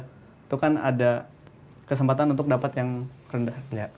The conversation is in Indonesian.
itu kan ada kesempatan untuk dapat yang rendah